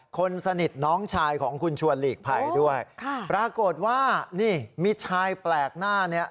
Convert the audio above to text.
คนสนิทน้องชายของคุณชวนหลีกภัยด้วยค่ะปรากฏว่านี่มีชายแปลกหน้าเนี่ย